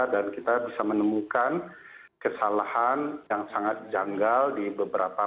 dan kita bisa menemukan kesalahan yang sangat janggal di beberapa hal